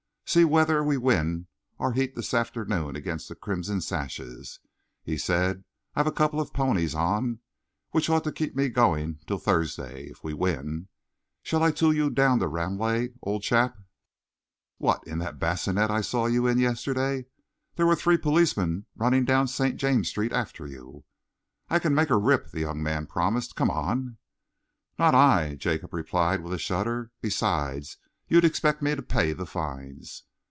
"See whether we win our heat this afternoon against the Crimson Sashes," he said. "I've a couple of ponies on, which ought to keep me going till Thursday, if we win. Shall I tool you down to Ranelagh, old chap?" "What, in the bassinet I saw you in yesterday? There were three policemen running down St. James's Street after you." "I can make her rip," the young man promised. "Come on." "Not I!" Jacob replied, with a shudder. "Besides, you'd expect me to pay the fines."